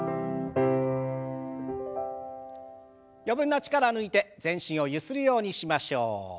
余分な力を抜いて全身をゆするようにしましょう。